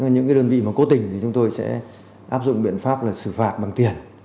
những đơn vị mà cố tình thì chúng tôi sẽ áp dụng biện pháp là xử phạt bằng tiền